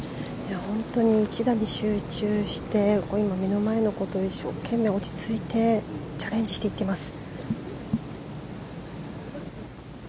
本当に一打に集中して今、目の前のことを一生懸命落ち着いてチャレンジしていっています。